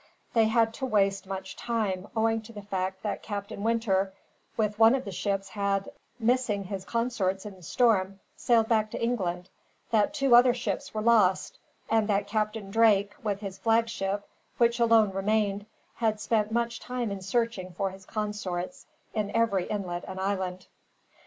They had to waste much time, owing to the fact that Captain Winter with one of the ships had, missing his consorts in the storm, sailed back to England, that two other ships were lost, and that Captain Drake with his flagship, which alone remained, had spent much time in searching for his consorts, in every inlet and island.